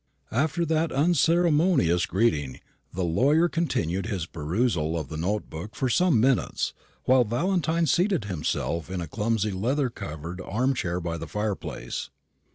After that unceremonious greeting, the lawyer continued his perusal of the note book for some minutes, while Valentine seated himself in a clumsy leather covered arm chair by the fireplace.